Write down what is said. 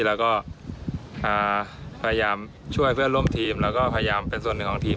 แล้วก็พยายามช่วยเพื่อนร่วมทีมแล้วก็พยายามเป็นส่วนหนึ่งของทีม